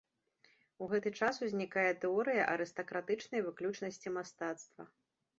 У гэты час узнікае тэорыя арыстакратычнай выключнасці мастацтва.